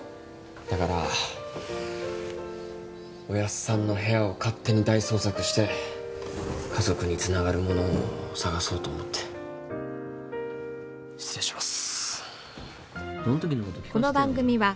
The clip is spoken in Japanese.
だからおやっさんの部屋を勝手に大捜索して家族につながるものを探そうと思って失礼します